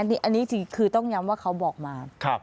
อันนี้จริงคือต้องย้ำว่าเขาบอกมา